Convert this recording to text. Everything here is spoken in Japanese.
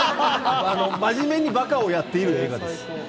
真面目にバカをやっているんです。